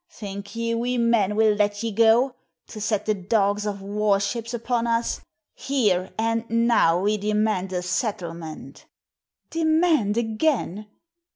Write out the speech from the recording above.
Think ye we men will let ye go, to set the dogs of war ships upon us? Here and now we demand a settlement." "Demand, again?